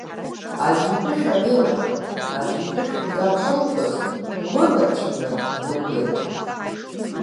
Аӡәы итәы шәамеилаҳан, аӡәы итәы шәымган шылҳәоз, лынарцә мҩа днықәлеит.